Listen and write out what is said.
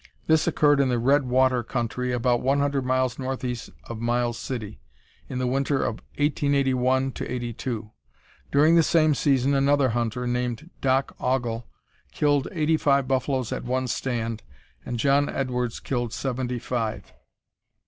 This occurred in the Red Water country, about 100 miles northeast of Miles City, in the winter of 1881 '82. During the same season another hunter, named "Doc." Aughl, killed eighty five buffaloes at one "stand," and John Edwards killed seventy five.